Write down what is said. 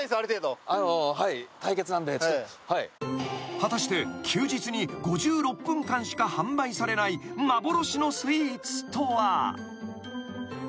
［果たして休日に５６分間しか販売されない幻のスイーツとは］